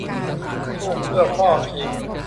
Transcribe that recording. สู้เพื่อพ่อคิม !